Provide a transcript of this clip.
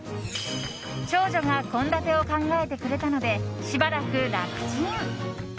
長女が献立を考えてくれたのでしばらく楽ちん。